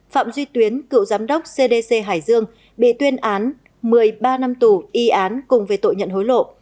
phạm duy tuyến cựu giám đốc cdc hải dương bị tuyên án một mươi ba năm tù y án cùng về tội nhận hối lộ